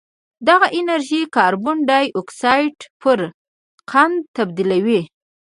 دغه انرژي کاربن ډای اکسایډ پر قند تبدیلوي